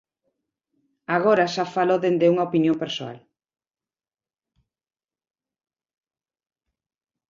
Agora xa falo dende unha opinión persoal...